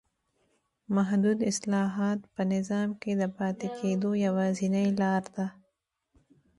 محدود اصلاحات په نظام کې د پاتې کېدو یوازینۍ لار ده.